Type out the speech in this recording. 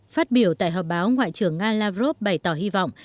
phát biểu tại họp báo ngoại trưởng nga lavrov bày tỏ hy vọng